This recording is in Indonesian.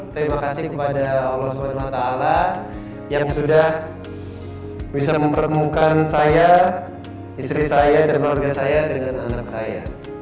terima kasih kepada allah swt yang sudah bisa mempertemukan saya istri saya dan keluarga saya dengan anak saya